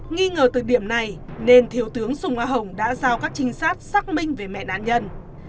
nghi ngờ từ điểm này nên thiếu tướng sùng a hồng đã giao các trinh sát xác minh về mẹ nạn nhân